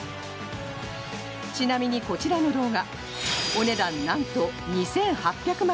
ちなみに、こちらの動画お値段何と２８００万円。